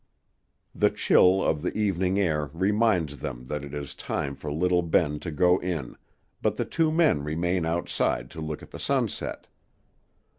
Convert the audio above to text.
The chill of the evening air reminds them that it is time for little Ben to go in, but the two men remain outside to look at the sunset.